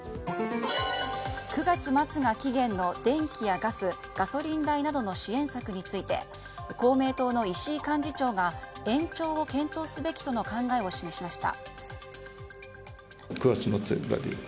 ９月末が期限の電気やガスガソリン代などの支援策について公明党の石井幹事長が延長を検討すべきとの考えを示しました。